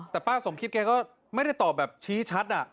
แต่ป้าสมคิดแกก็ไม่ได้ตอบแบบชี้ชัด